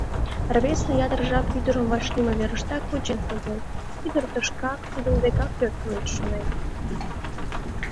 Рвезе ятыр жап ӱдырым вашлийме верыштак вучен шоген: ӱдыр тышкак, тудын декак пӧртылеш, шонен.